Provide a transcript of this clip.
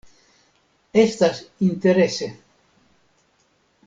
Estas interese.